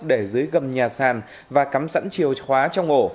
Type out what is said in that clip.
để dưới gầm nhà sàn và cắm sẵn chiều khóa trong ổ